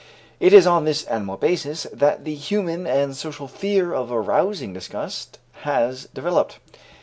It is on this animal basis that the human and social fear of arousing disgust has developed.